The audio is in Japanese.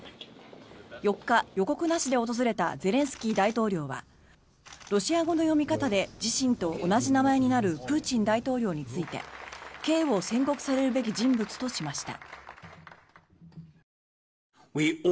４日、予告なしで訪れたゼレンスキー大統領はロシア語の読み方で自身と同じ名前になるプーチン大統領について刑を宣告されるべき人物としました。